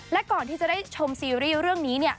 และก่อนที่จะได้ชมซีรีส์เรื่องนี้เนี่ย